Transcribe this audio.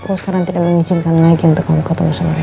aku sekarang tidak mengizinkan lagi untuk kamu ketemu sama mereka